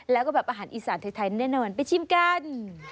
แล้วก็แบบอาหารอีสานไทยแน่นอนไปชิมกัน